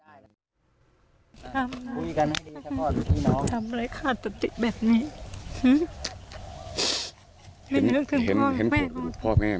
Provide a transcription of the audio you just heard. คุยกันให้ดีทำอะไรขาดสติแบบนี้ฮึไม่ได้รู้สึกพ่อแม่พ่อแม่ไหม